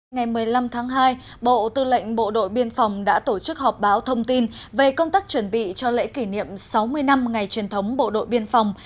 ngày một mươi năm tháng hai bộ tư lệnh bộ đội biên phòng đã tổ chức họp báo thông tin về công tác chuẩn bị cho lễ kỷ niệm sáu mươi năm ngày truyền thống bộ đội biên phòng